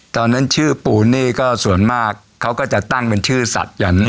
ตอนนั้นชื่อปูนี่ก็ส่วนมากเขาก็จะตั้งเป็นชื่อสัตว์กัน